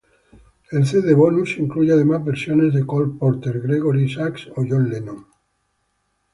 El Cd bonus incluye además versiones de Cole Porter, Gregory Isaacs o John Lennon.